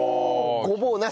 ごぼうなし？